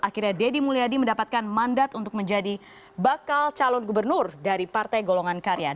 akhirnya deddy mulyadi mendapatkan mandat untuk menjadi bakal calon gubernur dari partai golongan karya